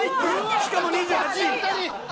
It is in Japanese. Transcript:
しかも２８位。